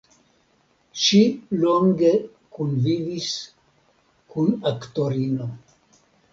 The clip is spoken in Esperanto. Ŝi longe kunvivis kun aktorino.